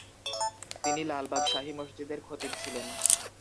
তিনি লালবাগ শাহী মসজিদের খতিব ছিলেন।